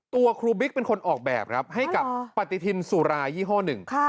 ตัวครูบิ๊กเป็นคนออกแบบครับให้กับปฏิทินสุรายี่ห้อหนึ่ง